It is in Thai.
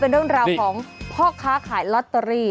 เป็นเรื่องราวของพ่อค้าขายลอตเตอรี่